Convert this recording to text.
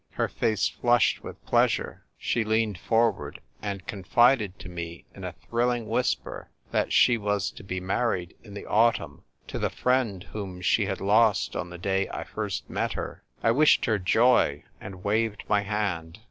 Her face flushed with pleasure ; she leaned forward and confided to me in a thrilling whisper that she was to be married in the autumn to the friend whom she had lost on the day I first met her. I wished her joy, and waved my hand.